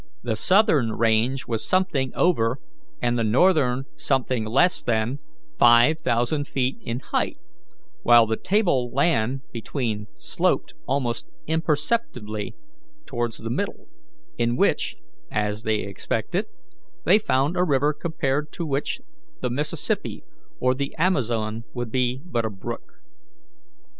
The southern range was something over, and the northern something less than, five thousand feet in height, while the table land between sloped almost imperceptibly towards the middle, in which, as they expected, they found a river compared to which the Mississippi or the Amazon would be but a brook.